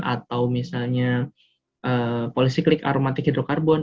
atau misalnya polisiklik aromatik hidrokarbon